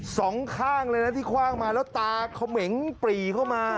สองข้างเลยนะที่คว่างมาแล้วตาเขม่งปรีเข้ามา